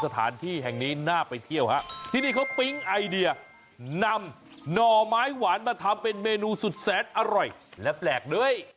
ที่นี่เขาปิ๊งไอเดียนำหน่อไม้หวานมาทำเป็นเมนูสุดแสนอร่อยและแปลกเลย